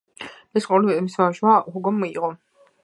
მისი მემკვიდრეობა მისმა ვაჟმა, ჰუგომ მიიღო.